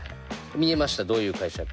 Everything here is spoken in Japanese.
見えましたどういう会社か。